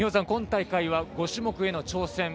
今大会は５種目への挑戦。